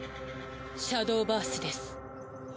シャドウバースです。